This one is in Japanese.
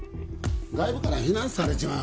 外部から非難されちまう。